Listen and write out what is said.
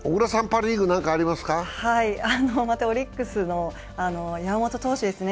またオリックスの山本投手ですね。